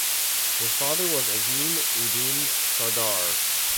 His father is Azim Uddin Sardar.